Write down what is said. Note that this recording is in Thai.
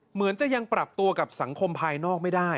เหมือนจะยังปรับตัวกับสังคมภายนอกไม่ได้